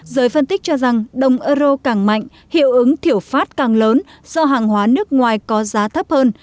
giới phân tích cho rằng đồng euro càng mạnh hiệu ứng thiểu phát càng lớn do hàng hóa nước ngoài có giá thấp hơn